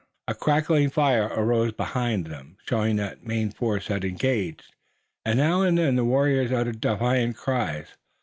A crackling fire arose behind them, showing that the main force had engaged, and now and then the warriors uttered defiant cries.